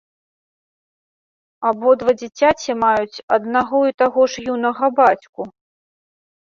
Абодва дзіцяці маюць аднаго і таго ж юнага бацьку.